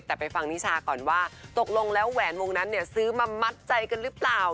แต่ไปฟังนิชาก่อนว่าตกลงแล้วแหวนวงนั้นเนี่ยซื้อมามัดใจกันหรือเปล่า